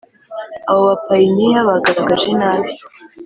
Abo bapayiniya bagaragaje inabi